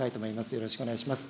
よろしくお願いします。